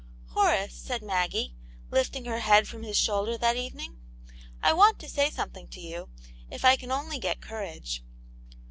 " Horace," said Maggie, lifting her head from his shoulder, that evening. " I want to say something to you, if I can only get courage."